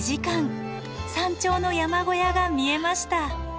山頂の山小屋が見えました。